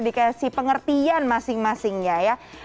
dikasih pengertian masing masingnya ya